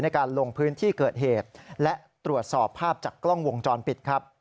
ในการลงพื้นที่เกิดเหตุและตรวจสอบภาพจากกล้องวงจรปิดครับ